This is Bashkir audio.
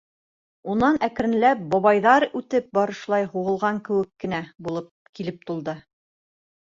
Унан әкренләп бабайҙар үтеп барышлай һуғылған кеүек кенә булып килеп тулды.